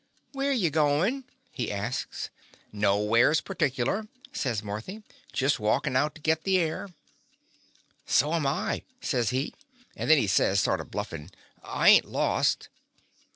"Where y' goin'?' he asks. "Nowheres particular,'' says Mar thy. "Just walkin' out to git the air." "So 'm I," says he, and then he says, sort of bluffin', "I ain't lost."